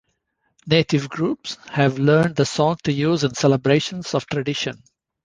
Native groups have learned the song to use in celebrations of tradition.